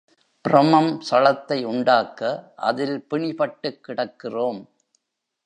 ப்ரமம் சளத்தை உண்டாக்க அதில் பிணிபட்டுக் கிடக்கிறோம்.